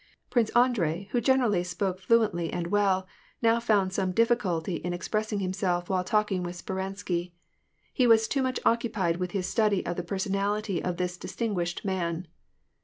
Prince Andrei, who generally spoke fluently and well, now found some difficulty in expressing himself while talking with Speransky. He was too much occupied with his study of the personality of this distinguished man.